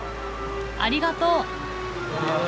ありがとう。